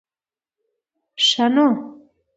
ښه نو.